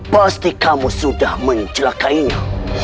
pasti kamu sudah mencelakainya